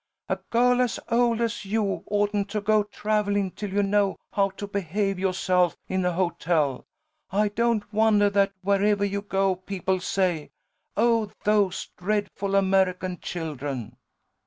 "A girl as old as you oughtn't to go travellin' till you know how to behave yo'self in a hotel. I don't wondah that wherevah you go people say, 'Oh, those dreadful American children!'"